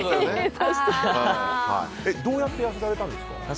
どうやって痩せられたんですか？